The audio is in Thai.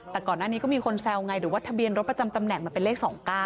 แต่ก่อนหน้านี้ก็มีคนแซวไงหรือว่าทะเบียนรถประจำตำแหน่งมันเป็นเลข๒๙